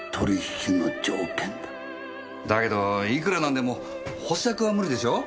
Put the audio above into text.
だけどいくらなんでも保釈は無理でしょ？